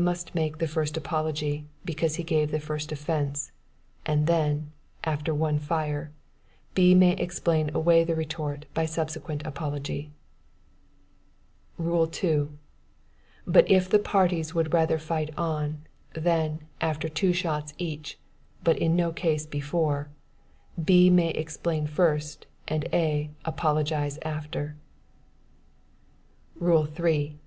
must make the first apology, because he gave the first offence, and then, (after one fire,) B. may explain away the retort by subsequent apology. "Rule 2. But if the parties would rather fight on: then, after two shots each, (but in no case before,) B. may explain first, and A. apologize afterward. "Rule 3.